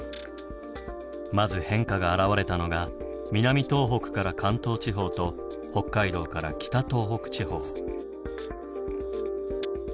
まず変化があらわれたのが南東北から関東地方と北海道から北東北地方。